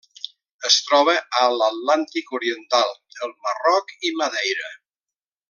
Es troba a l'Atlàntic oriental: el Marroc i Madeira.